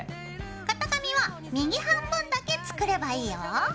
型紙は右半分だけ作ればいいよ。